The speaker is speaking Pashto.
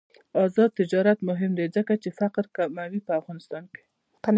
آزاد تجارت مهم دی ځکه چې فقر کموي افغانستان کې.